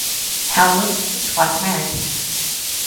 Howland was twice married.